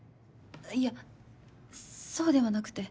いやそうではなくて。